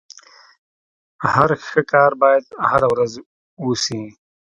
هر ښه کار بايد هره ورځ وسي.